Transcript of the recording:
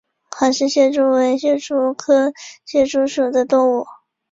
卡氏蟹蛛为蟹蛛科蟹蛛属的动物。